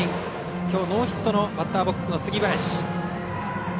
きょうノーヒットのバッターボックスの杉林。